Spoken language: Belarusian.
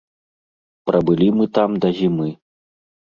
Прабылі мы там да зімы.